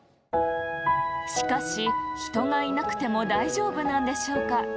しかし人がいなくてもだいじょうぶなんでしょうか？